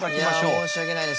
いや申し訳ないです。